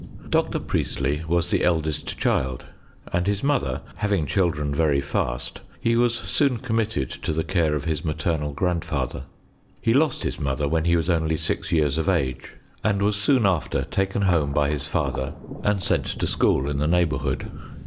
Dr. Priest ley was the eldest child; and, his mother having children very fast, he was soon committed to the care of his maternal grandfather. He lost his mother when he was only six years of age, and was soon after taken home by his father and sent to VOL. II. B 2 HISTORY OF CHZXISTRT. school in the neiirhbonrhood.